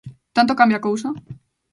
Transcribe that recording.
Tanto cambia a cousa?